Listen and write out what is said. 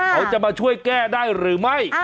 เขาจะมาช่วยแก้ได้หรือไม่